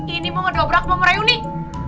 ini mau ngedobrak mau merayu nih